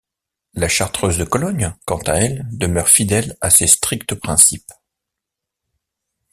La chartreuse de Cologne, quant à elle, demeure fidèle à ses stricts principes.